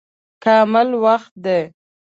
کامل وخت دی.